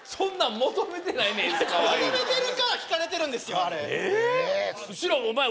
求めてるから聞かれてるんですよ